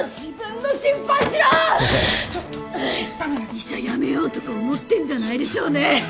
医者辞めようとか思ってんじゃないでしょうね！？